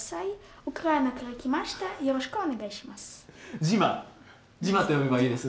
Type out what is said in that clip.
よろしくお願いします。